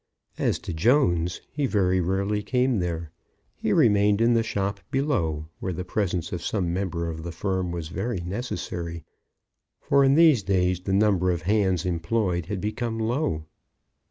As to Jones, he very rarely came there. He remained in the shop below; where the presence of some member of the firm was very necessary, for, in these days, the number of hands employed had become low.